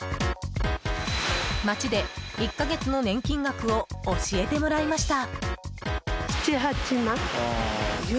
街で１か月の年金額を教えてもらいました。